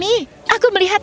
tentang apa kamu ingatkan